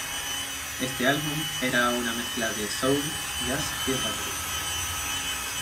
Este álbum era una mezcla de soul, jazz y rock.